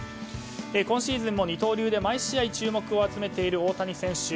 今シーズンもう二刀流で毎試合注目を集めている大谷選手。